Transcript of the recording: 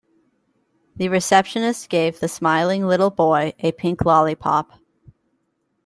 The receptionist gave the smiling little boy a pink lollipop.